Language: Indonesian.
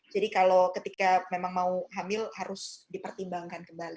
jadi kalau ketika memang mau hamil harus dipertimbangkan kembali